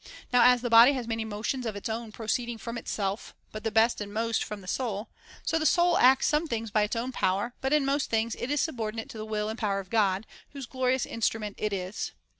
Now as the body has many motions of its own proceeding from itself, but the best and most from the soul, so the soul acts some things by its own power, but in most things it is subordinate to the will and power of God, whose glorious instrument it is.